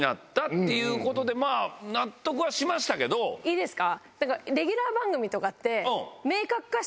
いいですか？